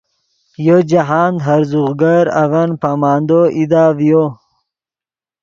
یو جاہند ہرزوغ گر اڤن پامندو ایدا ڤیو